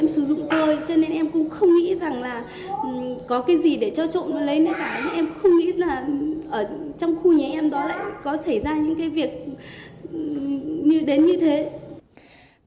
em không nghĩ là ở trong khu nhà em đó lại có xảy ra những cái việc đến như thế